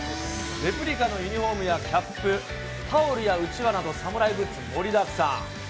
レプリカのユニホームやキャップ、タオルやうちわなど、侍グッズが盛りだくさん。